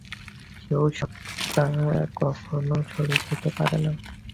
সেই সত্তা কখনও শরীর হইতে পারে না।